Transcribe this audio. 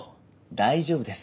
大丈夫です。